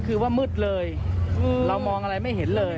คือว่ามืดเลยเรามองอะไรไม่เห็นเลย